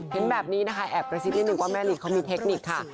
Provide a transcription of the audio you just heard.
เห็นแบบนี้นะคะแอบกระซิบนิดนึงว่าแม่ลีเขามีเทคนิคค่ะ